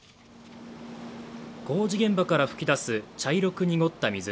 工事現場から噴き出す茶色く濁った水。